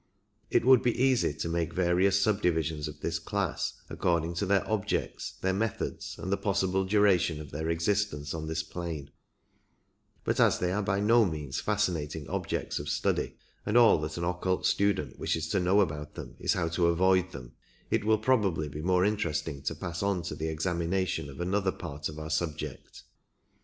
It would be easy to make various subdivisions of this class, according to their objects, their methods, and the possible duration of their existence on this plane, but as they are by no means fascinating objects of study, and all that an occult student wishes to know about them is how to avoid them, it will probably be more interesting to pass on to the examination of another part of our subject.